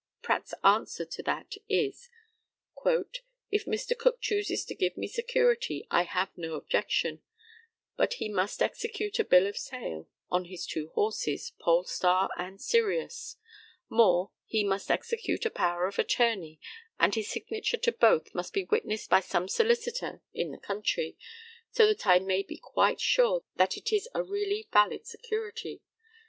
Pratt's answer to that is: "If Mr. Cook chooses to give me security, I have no objection; but he must execute a bill of sale on his two horses, Polestar and Sirius; more, he must execute a power of attorney, and his signature to both must be witnessed by some solicitor in the country, so that I may be quite sure that it is a really valid security.